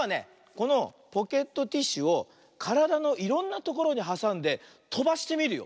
このポケットティッシュをからだのいろんなところにはさんでとばしてみるよ。